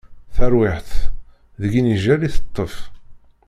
Tarwiḥt deg inijel i teṭṭef.